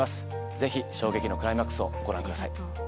ぜひ衝撃のクライマックスをご覧ください